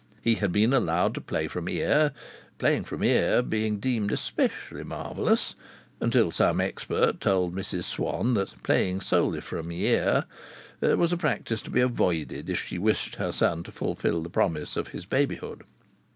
He had been allowed to play from ear playing from ear being deemed especially marvellous until some expert told Mrs Swann that playing solely from ear was a practice to be avoided if she wished her son to fulfil the promise of his babyhood.